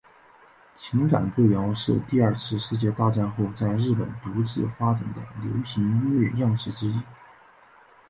情感歌谣是第二次世界大战后在日本独自发展的流行音乐样式之一。